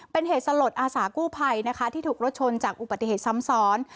เป็นเหตุสลดอาสากู้ภัยนะคะที่ถูกรถชนจากอุบัติเหตุซ้ำซ้อน